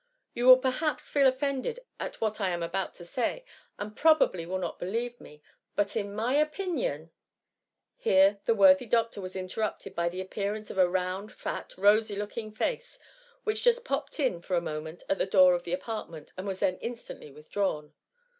^^ You will perhaps feel offended at what I am about to say, and probably will not believe Ime — ^but in my opinion ^ Here the worthy doctor was interrupted by the appearance of a round, fat) rosy looking face, which just popt in for a moment at the door of the apartment, and was then instantly withdrawn.